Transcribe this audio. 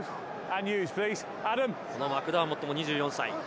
マクダーモットも２４歳。